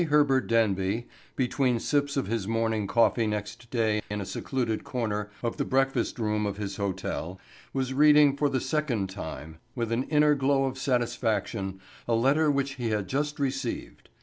Herbert Denby, between sips of his morning coffee next day in a secluded corner of the breakfast room of his hotel, was reading for the second time, with an inner glow of satisfaction, a letter which he had just received.